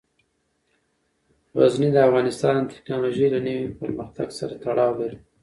غزني د افغانستان د تکنالوژۍ له نوي پرمختګ سره تړاو لري.